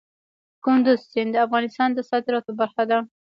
کندز سیند د افغانستان د صادراتو برخه ده.